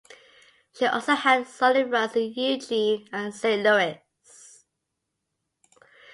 She also had solid runs in Eugene and Saint Louis.